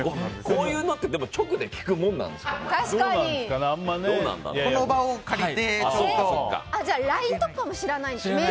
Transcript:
こういうのって直で聞くものなんですかね。